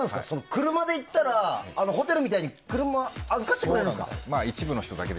車で行ったらホテルみたいに車を預かってくれるんですか？